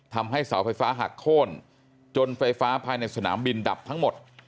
ทำให้เสาไฟฟ้าหักโค้นจนไฟฟ้าภายในสนามบินดับทั้งหมด